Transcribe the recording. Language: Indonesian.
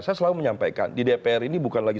saya selalu menyampaikan di dpr ini bukan lagi